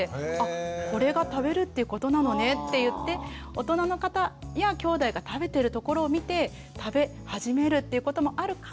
これが食べるっていうことなのねっていって大人の方やきょうだいが食べてるところを見て食べ始めるということもあるかもしれない。